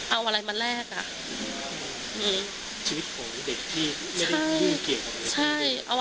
เอาอะไรมาแลกอ่ะ